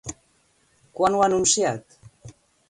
Quan ho ha anunciat?